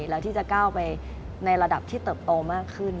แล้วที่จะก้าวไปในระดับที่เติบโตมากขึ้น